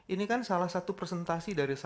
ini kan salah satu presentasi dari salah satu